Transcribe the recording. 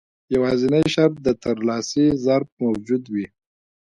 يوازنی شرط د ترلاسي ظرف موجود وي.